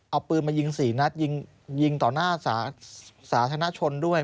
เอาปืนมายิง๔นัดยิงต่อหน้าสาธารณชนด้วย